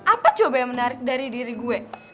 apa coba yang menarik dari diri gue